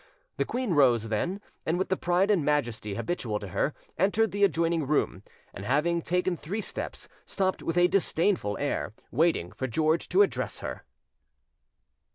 The queen rose then, and with the pride and majesty habitual to her, entered the adjoining room, and, having taken three steps, stopped with a disdainful air, waiting for George to address her.